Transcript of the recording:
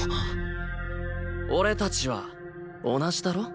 俺たちは同じだろ。